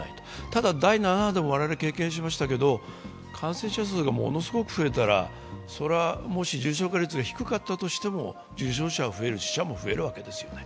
ただ、第７波でも我々経験しましたけれども、感染者数がものすごく増えたらもし重症化率が低かったとしても、重症者も増える、死者も増えるわけですね。